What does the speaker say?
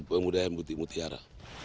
untuk pemudaian mutiara